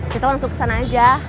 kita langsung kesana aja